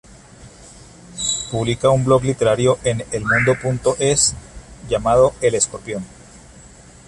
Publica un blog literario en elmundo.es, llamado El Escorpión.